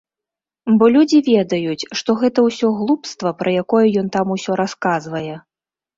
Бо людзі ведаюць, што гэта ўсё глупства, пра якое ён там усё расказвае.